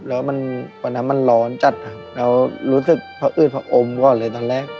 แล้ววันนั้นมันร้อนจัดครับเรารู้สึกผอืดผอมก่อนเลยตอนแรก